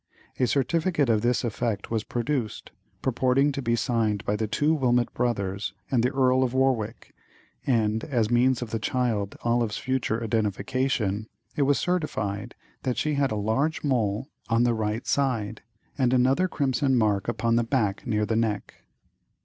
A certificate to this effect was produced, purporting to be signed by the two Wilmot brothers and the Earl of Warwick, and as means of the child Olive's future identification it was certified that she had "a large mole on the right side, and another crimson mark upon the back near the neck."